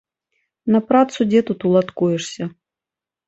На працу, дзе тут уладкуешся.